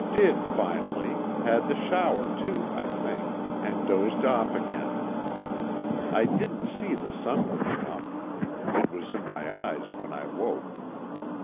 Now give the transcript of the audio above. Did finally, had the shower too I think, and dozed off again. I didn't see the sun come up it was in my eyes when I woke.